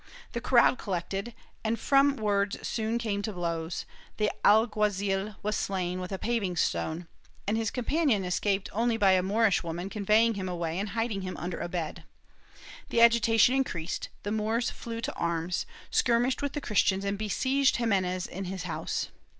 A crowd collected and from words soon came to blows; the alguazil was slain with a paving stone, and his com panion escaped only by a Moorish woman conveying him away and hiding him under a bed. The agitation increased; the Moors flew to arms, skirmished with the Christians and besieged Ximenes in his house.